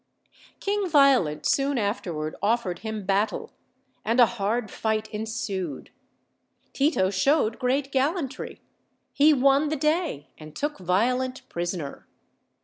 King Violent soon afterward offered him battle, and a hard fight ensued. Tito showed great gallantry; he won the day, and took Violent prisoner.